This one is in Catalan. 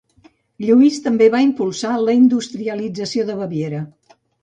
Lluís també va impulsar la industrialització de Baviera.